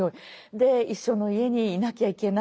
で一緒の家にいなきゃいけない。